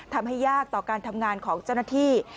ยากต่อการทำงานของเจ้าหน้าที่